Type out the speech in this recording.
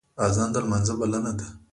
اذان د لمانځه بلنه ده